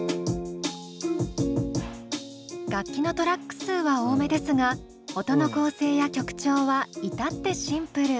楽器のトラック数は多めですが音の構成や曲調は至ってシンプル。